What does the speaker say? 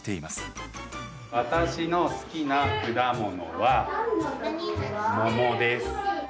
私の好きな果物は桃です。